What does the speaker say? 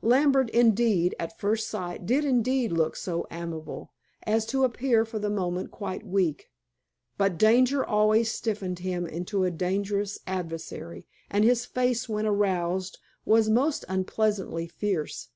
Lambert, indeed, at first sight did indeed look so amiable, as to appear for the moment quite weak; but danger always stiffened him into a dangerous adversary, and his face when aroused was most unpleasantly fierce.